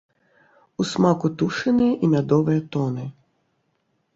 У смаку тушаныя і мядовыя тоны.